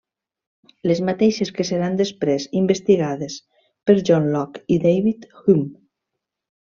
Les mateixes que seran després investigades per John Locke i David Hume.